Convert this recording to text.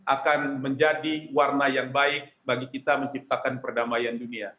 akan menjadi warna yang baik bagi kita menciptakan perdamaian dunia